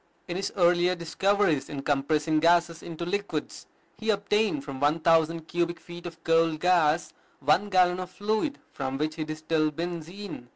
In his earlier discoveries in compressing gases into liquids, he obtained from one thousand cubic feet of coal gas one gallon of fluid from which he distilled benzine.